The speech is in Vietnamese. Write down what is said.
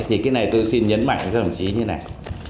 thì cái này tôi xin nhấn mạnh cho đồng chí như thế này